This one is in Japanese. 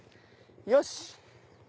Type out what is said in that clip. よし！